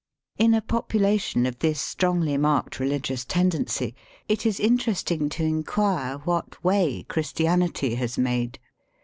In a population of this strongly marked religious tendency it is interesting to inquire what way Christianity has made.